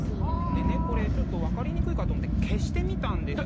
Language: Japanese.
でねこれちょっと分かりにくいかと思って消してみたんですよ。